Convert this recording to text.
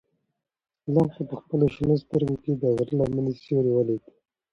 لښتې په خپلو شنه سترګو کې د غره د لمنې سیوری ولید.